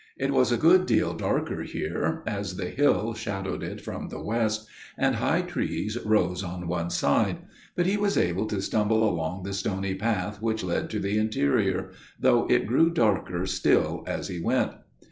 "It was a good deal darker here, as the hill shadowed it from the west, and high trees rose on one side; but he was able to stumble along the stony path which led to the interior, though it grew darker still as he went.